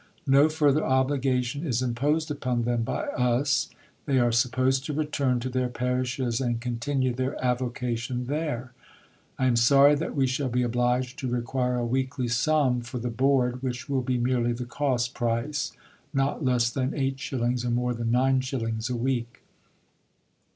No further obligation is imposed upon them by us. They are supposed to return to their parishes and continue their avocation there. I am sorry that we shall be obliged to require a weekly sum for the board which will be merely the cost price not less than 8s. or more than 9s. a week.